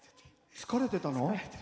疲れてたの？